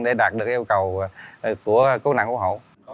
để đạt được yêu cầu của cố nặng ủng hộ